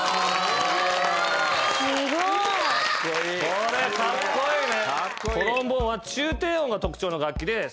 これカッコイイね。